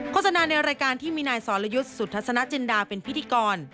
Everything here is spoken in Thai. โฆษณาในรายการที่มีนายสรยุทธ์สุทัศนจินดาเป็นพิธีกร